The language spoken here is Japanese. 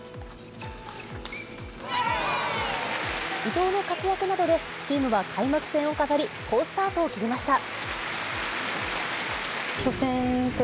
伊藤の活躍などでチームは開幕戦を飾り、好スタートを切りました。